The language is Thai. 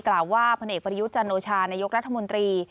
กล่าวว่าผลเอกประยุจันโอชานายกรัฐมนตรี